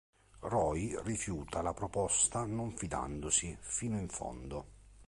Roy rifiuta la proposta non fidandosi fino in fondo.